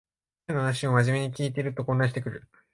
彼の話をまじめに聞いてると混乱してくる